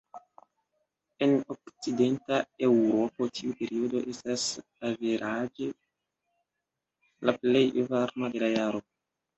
En Okcidenta Eŭropo tiu periodo estas averaĝe la plej varma de la jaro.